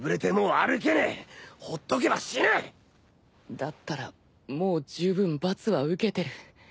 だったらもうじゅうぶん罰は受けてる。